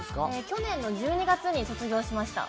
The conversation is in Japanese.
去年の１２月に卒業しました。